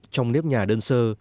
trong nếp nhà đơn sơ